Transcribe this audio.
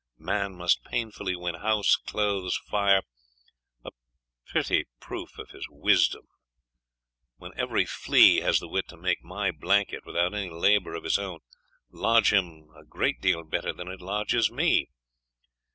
Man must painfully win house, clothes, fire.... A pretty proof of his wisdom, when every flea has the wit to make my blanket, without any labour of his own, lodge him a great deal better than it lodges me!